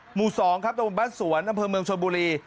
หมู่๒ครับตรงบ้านสวนด้านพื้นเมืองชนบุรี